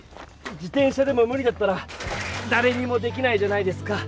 自転車でもむ理だったらだれにもできないじゃないですか。